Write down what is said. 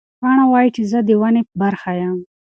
پاڼه وایي چې زه د ونې برخه یم.